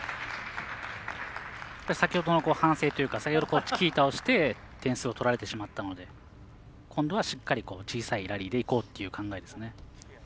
先ほどの反省というか先ほどチキータをして点数を取られてしまったので今度はしっかり小さいラリーでいこうという考えですね。